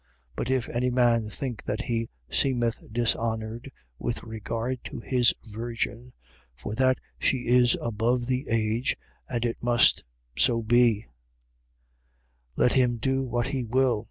7:36. But if any man think that he seemeth dishonoured with regard to his virgin, for that she is above the age, and it must so be: let him do what he will.